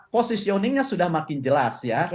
positioningnya sudah makin jelas ya